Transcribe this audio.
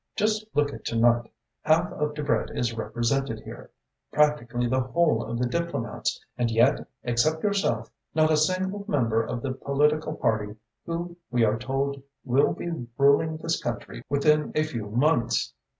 Just look at to night. Half of Debrett is represented here, practically the whole of the diplomats, and yet, except yourself, not a single member of the political party who we are told will be ruling this country within a few months.